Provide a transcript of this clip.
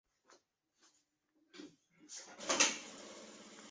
径向基函数网络的输出是输入的径向基函数和神经元参数的线性组合。